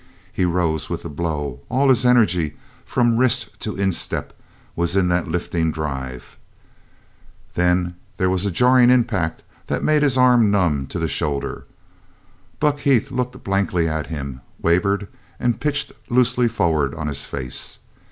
He rose with the blow; all his energy, from wrist to instep, was in that lifting drive. Then there was a jarring impact that made his arm numb to the shoulder. Buck Heath looked blankly at him, wavered, and pitched loosely forward on his face.